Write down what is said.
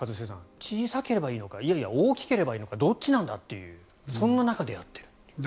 小さければいいのか大きければいいのかどっちなんだ？というそんな中でやっているという。